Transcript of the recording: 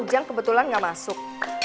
pak ujang kebetulan gak masuk